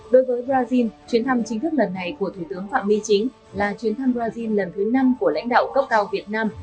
đối với brazil chuyến thăm chính thức lần này của thủ tướng phạm minh chính là chuyến thăm brazil lần thứ năm của lãnh đạo cấp cao việt nam